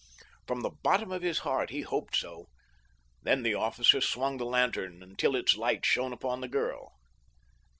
From the bottom of his heart he hoped so. Then the officer swung the lantern until its light shone upon the girl.